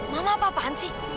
mama apaan sih